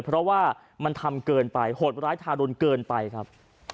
เพราะว่ามันทำเกินไปโหดร้ายทารุณเกินไปครับ